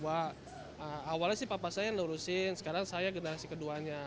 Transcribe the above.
awalnya sih papa saya lurusin sekarang saya generasi keduanya